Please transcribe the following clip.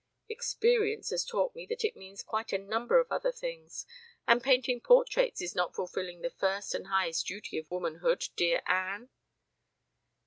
"Experience has taught me that it means quite a number of other things. And painting portraits is not fulfilling the first and highest duty of womanhood, dear Anne."